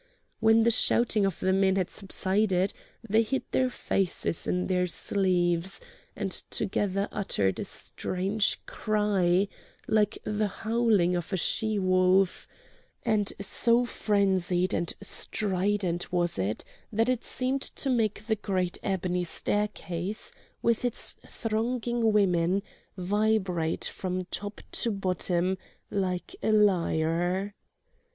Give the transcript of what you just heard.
When the shouting of the men had subsided they hid their faces in their sleeves, and together uttered a strange cry like the howling of a she wolf, and so frenzied and strident was it that it seemed to make the great ebony staircase, with its thronging women, vibrate from top to bottom like a lyre.